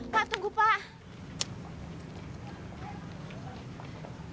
pak tunggu pak